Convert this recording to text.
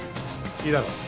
いいだろう。